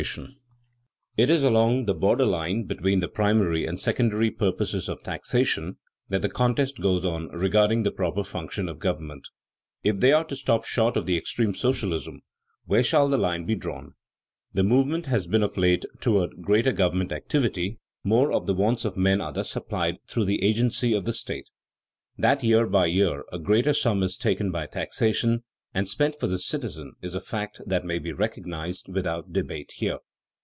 [Sidenote: The sphere of the state expands] It is along the border line between the primary and the secondary purposes of taxation that the contest goes on regarding the proper functions of government. If they are to stop short of the extreme of socialism, where shall the line be drawn? The movement has been of late toward greater government activity; more of the wants of men are thus supplied through the agency of the state. That year by year a greater sum is taken by taxation and spent for the citizen is a fact that may be recognized without debate here.